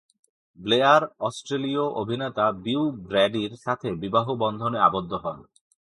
Blair অস্ট্রেলীয় অভিনেতা Beau ব্রাডির সাথে বিবাহ বন্ধনে আবদ্ধ হন।